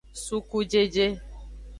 Sukujeje.